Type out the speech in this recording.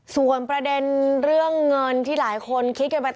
ส่วนประเด็นเรื่องเงินที่หลายคนคิดกันไป